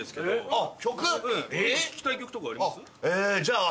聴きたい曲とかあります？